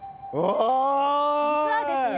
「実はですね